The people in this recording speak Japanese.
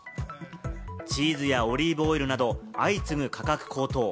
チーズやオリーブオイルなど相次ぐ価格高騰。